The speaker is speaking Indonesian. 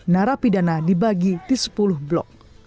narapidana dibagi di sepuluh blok